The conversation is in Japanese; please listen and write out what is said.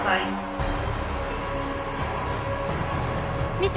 見て！